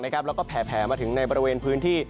แล้วก็แผ่มาถึงในบริเวณพื้นที่